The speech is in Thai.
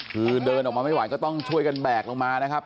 คือเดินออกมาไม่ไหวก็ต้องช่วยกันแบกลงมานะครับ